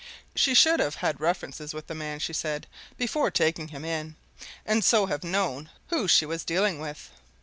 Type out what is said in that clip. She should have had references with the man, she said, before taking him in, and so have known who she was dealing with.